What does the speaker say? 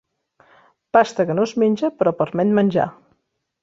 Pasta que no es menja però permet menjar.